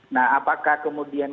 nah apakah kemudian